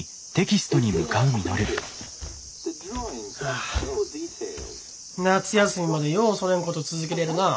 ・あ夏休みまでよおそねんこと続けれるなあ。